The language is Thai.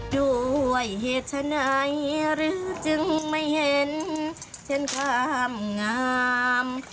ด้วยเหตุฉะไหนหรือจึงไม่เห็นเส้นความงาม